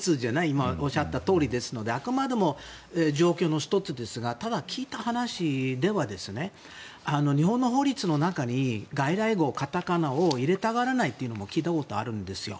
今おっしゃったとおりですのであくまでも状況の１つですがただ、聞いた話では日本の法律の中に外来語、カタカナを入れたがらないというのも聞いたことがあるんですよ。